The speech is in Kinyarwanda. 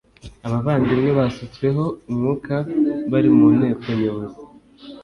Abavandimwe basutsweho umwuka bari mu Nteko Nyobozi